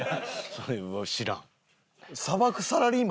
それ知らん。